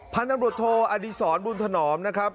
พันธมรถโทอดีศรบุญถนอมนะครับ